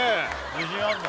自信あるの？